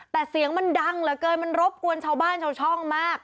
แต่เสียงมันดังเหลือเกินมันรบกวนชาวบ้านชาวช่องมาก